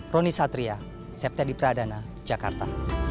roni satria september adana jakarta